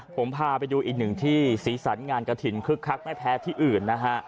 ผมพาไปดูอีกหนึ่งที่สีสันงานกระถิ่นคึกคักไม่แพ้ที่อื่นนะฮะ